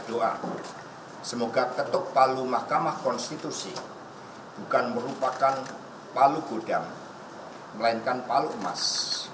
untuk palu mahkamah konstitusi bukan merupakan palu gudang melainkan palu emas